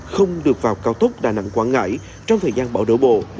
không được vào cao tốc đà nẵng quảng ngãi trong thời gian bão đổ bộ